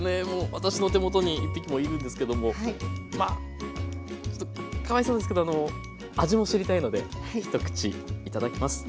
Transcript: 私の手元に１匹もいるんですけどもまあちょっとかわいそうですけど味も知りたいので一口いただきます。